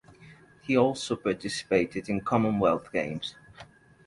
He also participated in Commonwealth Games.